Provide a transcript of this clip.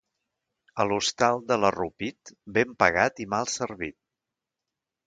A l'hostal de l'Arrupit, ben pagat i mal servit.